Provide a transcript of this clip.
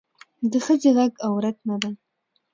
د ښخي غږ عورت نه دی